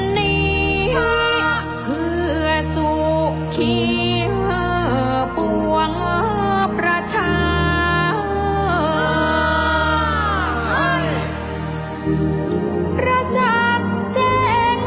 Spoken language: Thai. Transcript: รัชารัชาแจ้งแหล่งโลกาพระรีชาสัยามินทร์